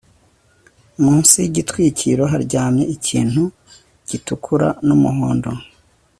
munsi yigitwikiro haryamye ikintu gitukura numuhondo